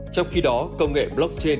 trong khi đó công nghệ blockchain